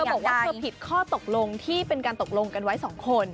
บอกว่าเธอผิดข้อตกลงที่เป็นการตกลงกันไว้๒คน